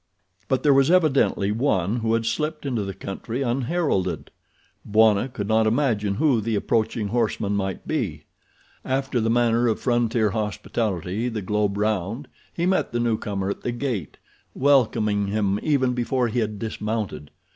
But there was evidently one who had slipped into the country unheralded. Bwana could not imagine who the approaching horseman might be. After the manner of frontier hospitality the globe round he met the newcomer at the gate, welcoming him even before he had dismounted.